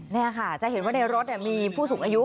นี่ค่ะจะเห็นว่าในรถมีผู้สูงอายุ